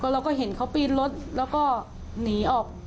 เราก็เห็นเขาปีนรถแล้วก็หนีออก